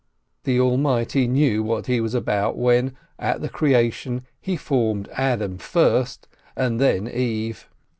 The Almighty knew what He was about when, at the creation, he formed Adam first and then Eve.